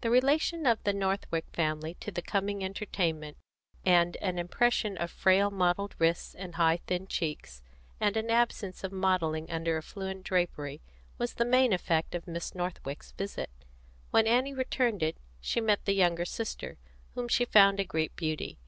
The relation of the Northwick family to the coming entertainment, and an impression of frail mottled wrists and high thin cheeks, and an absence of modelling under affluent drapery, was the main effect of Miss Northwick's visit. When Annie returned it, she met the younger sister, whom she found a great beauty.